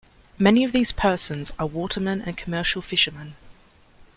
Many of these persons are watermen and commercial fishermen.